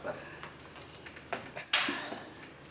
terima kasih pak